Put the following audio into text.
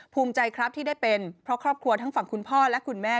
ภูมิใจครับที่ได้เป็นเพราะครอบครัวทั้งฝั่งคุณพ่อและคุณแม่